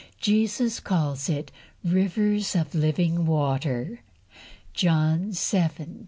Jesus calls it "rivers of living water" (John vii.